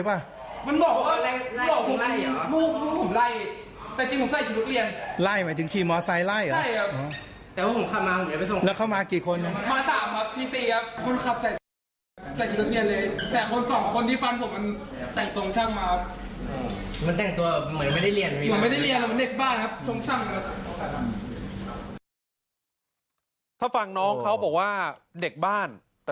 ปะมันบอกว่าล่ะบูบูผมไล์แต่จริงงหมดไชรค์